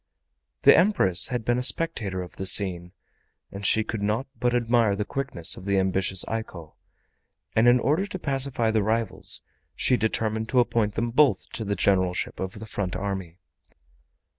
The Empress had been a spectator of the scene, and she could not but admire the quickness of the ambitious Eiko, and in order to pacify the rivals she determined to appoint them both to the Generalship of the front army.